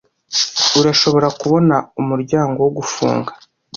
Urashobora kubona umuryango wo gufunga?